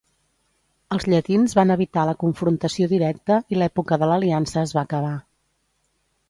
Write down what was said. Els llatins van evitar la confrontació directa i l'època de l'aliança es va acabar.